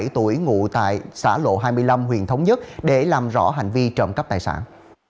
hai mươi bảy tuổi ngủ tại xã lộ hai mươi năm tp hcm để làm rõ hành vi trộm cấp tài sản